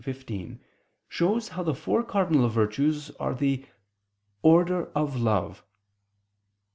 xv) shows how the four cardinal virtues are the "order of love."